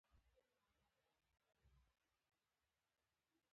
ستر توپیر موجودیت ټینګار بېځایه دی.